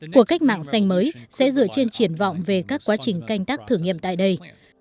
cuộc cách mạng xanh mới sẽ dựa trên triển vọng về các quá trình canh tác thử nghiệm tại đây